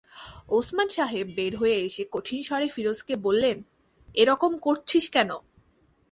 ওসমান সাহেব বের হয়ে এসে কঠিন স্বরে ফিরোজকে বললেন, এরকম করছিস কেন?